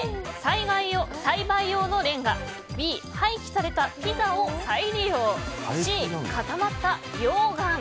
Ａ、栽培用のレンガＢ、廃棄されたピザを再利用Ｃ、固まった溶岩。